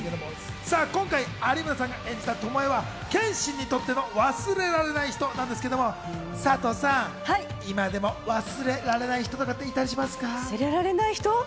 今回、有村さんが演じた巴は、剣心にとっての忘れられない人なんですが、サトさん、今でも忘れられない人っていたりしますか？